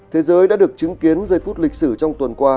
thế giới đã được chứng kiến giây phút lịch sử trong tuần qua